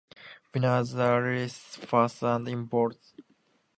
Winners are listed first and in bold